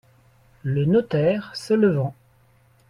Le notaire , se levant.